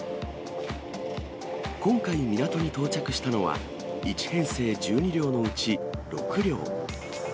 今回、港に到着したのは、１編成１２両のうち６両。